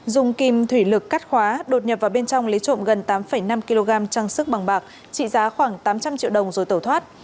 dùng kim thủy lực cắt khóa đột nhập vào bên trong lấy trộm gần tám năm kg trang sức bằng bạc trị giá khoảng tám trăm linh triệu đồng rồi tẩu thoát